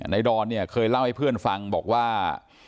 ดอนเนี่ยเคยเล่าให้เพื่อนฟังบอกว่า